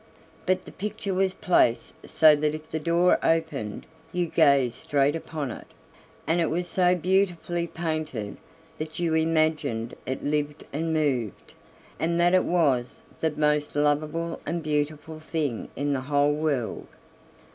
But the picture was placed so that if the door opened you gazed straight upon it, and it was so beautifully painted that you imagined it lived and moved, and that it was the most lovable and beautiful thing in the whole world.